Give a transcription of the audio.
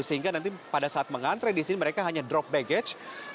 sehingga nanti pada saat mengantre di sini mereka hanya drop baggage